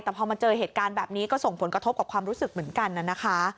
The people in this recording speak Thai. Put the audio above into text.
แต่พอมาเจอเหตุการณ์แบบนี้ก็ส่งผลกระทบกับความรู้สึกเหมือนกันนะคะ